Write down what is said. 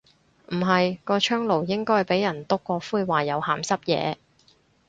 唔係，個窗爐應該俾人篤過灰話有鹹濕野。